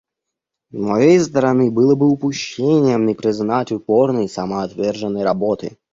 С моей стороны было бы упущением не признать упорной и самоотверженной работы.